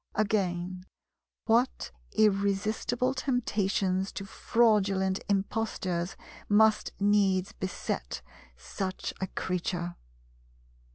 Again, what irresistible temptations to fraudulent impostures must needs beset such a creature!